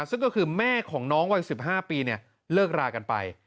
ซึ่งก็คือแม่ของน้องวัย๑๕ปีเลิกรากันไป